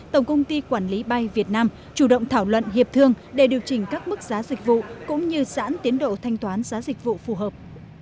tổng công ty quản lý bay việt nam chủ động thảo luận hiệp thương để điều chỉnh các mức giá dịch vụ cũng như giãn tiến độ thanh toán giá dịch vụ phù hợp